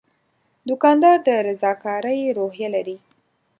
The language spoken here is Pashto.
دوکاندار د رضاکارۍ روحیه لري.